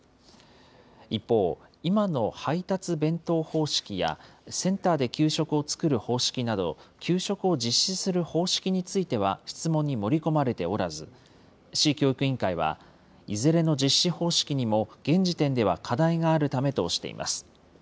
一方、今の配達弁当方式や、センターで給食を作る方式など、給食を実施する方式については質問に盛り込まれておらず、市教育委員会は、いずれの実施方式にも現時点では課題があるためとしています。